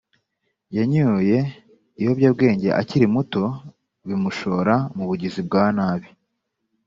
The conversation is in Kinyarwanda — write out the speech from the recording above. yanyoye ibiyobyabwenge akiri muto bimushora mu bugizi bwa nabi